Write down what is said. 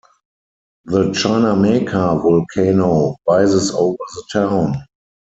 The Chinameca Volcano rises over the town.